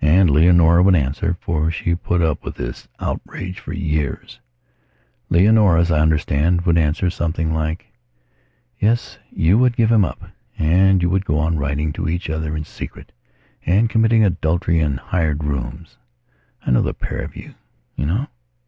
And Leonora would answerfor she put up with this outrage for yearsLeonora, as I understand, would answer something like: "Yes, you would give him up. And you would go on writing to each other in secret, and committing adultery in hired rooms. I know the pair of you, you know.